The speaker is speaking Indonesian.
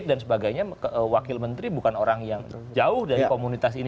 dan sebagainya wakil menteri bukan orang yang jauh dari komunitas ini